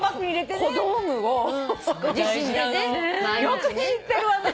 よく知ってるわね。